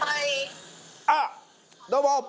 あっどうも。